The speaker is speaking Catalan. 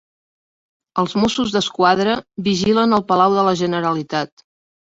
Els Mossos d'Esquadra vigilen el Palau de la Generalitat.